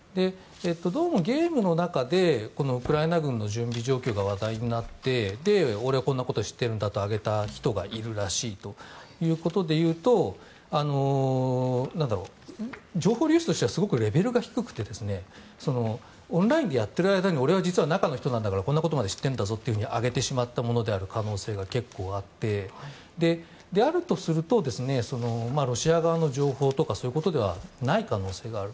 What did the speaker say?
どうもゲームの中でウクライナ軍の準備状況が話題になって俺はこんなことを知ってるんだと上げた人がいるらしいということで言うと情報流出としてはすごくレベルが低くてオンラインでやっている間に俺は実は中の人なんだからこんなことまで知ってるんだぞって上げてしまったものである可能性が結構、あってそうであるとするとロシア側の情報とかそういうことではない可能性がある。